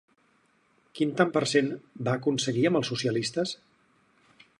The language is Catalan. Quin tant per cent va aconseguir amb els socialistes?